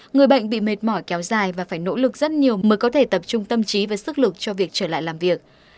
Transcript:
người bệnh bị mệt mỏi kéo dài và phải nỗ lực rất nhiều mới có thể tập trung tâm trí và sức lực cho việc trở lại làm việc